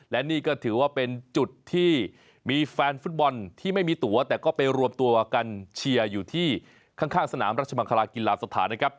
และนี่ก็ถือว่าเป็นจุดที่มีแฟนฟุตบอลที่ไม่มีตัวแต่ก็ไปรวมตัวกันเชียร์อยู่ที่ข้างสนามราชมังคลากีฬาสถานนะครับ